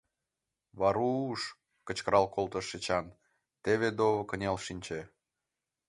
Веру-у-ш! — кычкырал колтыш Эчан, тыве-дово кынел шинче.